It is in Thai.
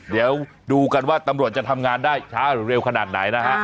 เดี๋ยวดูกันว่าตำรวจจะทำงานได้ช้าหรือเร็วขนาดไหนนะฮะ